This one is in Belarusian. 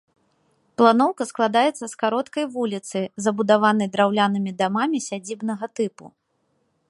Планоўка складаецца з кароткай вуліцы, забудаванай драўлянымі дамамі сядзібнага тыпу.